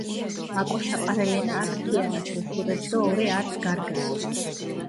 აკოშაყარელენა აქ ქიანაში ოსურეფი დო ორე ართი გარგატი.